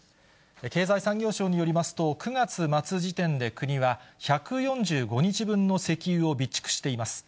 経済産業省によりますと、９月末時点で国は１４５日分の石油を備蓄しています。